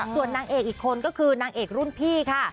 ส่วนนางเอกอีกคนก็คือนางเอกรุ่นพี่ค่ะ